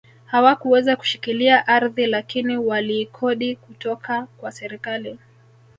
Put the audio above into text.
Hawakuweza kushikilia ardhi lakini waliikodi kutoka kwa serikali